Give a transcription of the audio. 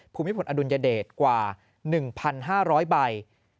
ภูมิพลอดุลยเดชกว่า๑๕๐๐ใบ